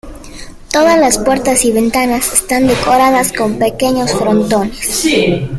Todas las puertas y ventanas están decoradas con pequeños frontones.